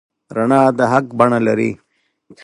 رڼا د حق بڼه لري.